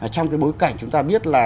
trong cái bối cảnh chúng ta biết là